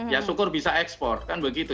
ya syukur bisa ekspor kan begitu